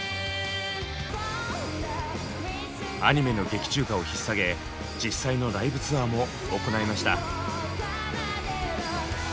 アニメの劇中歌をひっさげ実際のライブツアーも行いました。